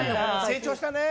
成長したね！